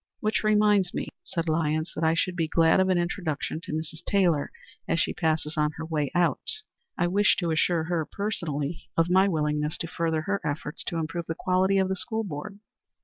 "Which reminds me," said Lyons, "that I should be glad of an introduction to Mrs. Taylor as she passes us on her way out. I wish to assure her personally of my willingness to further her efforts to improve the quality of the school board."